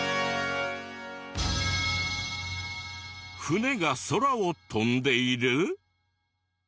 船が空を飛んでいる？